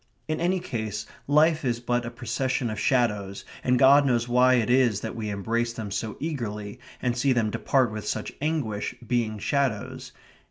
In any case life is but a procession of shadows, and God knows why it is that we embrace them so eagerly, and see them depart with such anguish, being shadows.